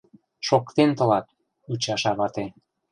— Шоктен тылат! — ӱчаша вате.